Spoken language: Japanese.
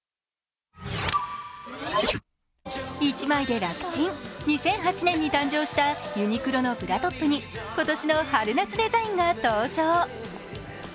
１枚でラクチン、２００８年に登場したユニクロのブラトップに今年の春夏デザインが登場。